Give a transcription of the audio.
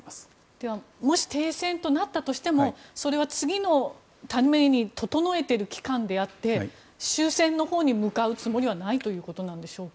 ではもし停戦となったとしてもそれは次のために整えている期間であって終戦に向かうつもりはないということでしょうか。